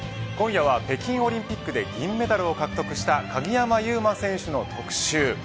今夜は北京オリンピックで銀メダルを獲得した鍵山優真選手の特集。